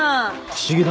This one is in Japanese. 不思議だな。